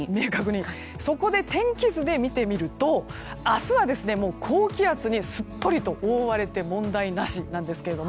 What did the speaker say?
そこで天気図で見てみると明日はもう高気圧にすっぽり覆われて問題なしなんですが。